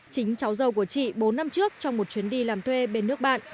chính cháu dâu của chị bốn năm trước trong một chuyến đi làm thuê bên nước bạn